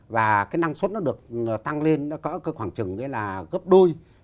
và cái năng suất nó được tăng lên nó có khoảng trừng gấp đôi